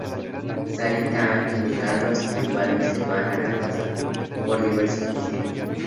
Sarita, Ángel y Carlos, sin embargo, se van de la casa por diversos motivos.